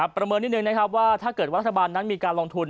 ประเมินนิดนึงว่าถ้าเกิดวัฒนบาลนั้นมีการลงทุน